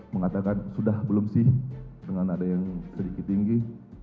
mengatakan sudah belum sih dengan ada yang sedikit tinggi